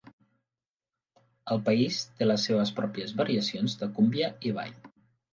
El país té les seves pròpies variacions de cúmbia i ball.